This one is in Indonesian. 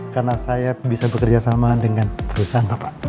karena saya bisa bekerja sama dengan perusahaan pak